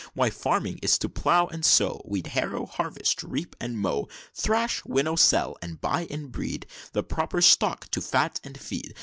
Why, farming is to plough and sow, Weed, harrow, harvest, reap, and mow, Thrash, winnow, sell, and buy and breed The proper stock to fat and feed.